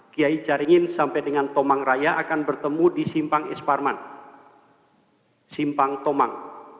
kiai caringin sampai dengan tomang raya akan bertemu di simpang esparman simpang tomang